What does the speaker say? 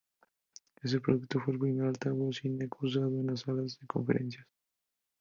Este producto fue el primer altavoz sin eco usado en salas de conferencias.